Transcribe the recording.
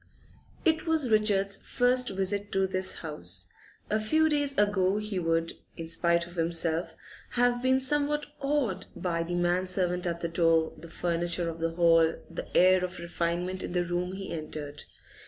It was Richard's first visit to this house. A few days ago he would, in spite of himself, have been somewhat awed by the man servant at the door, the furniture of the hall, the air of refinement in the room he entered.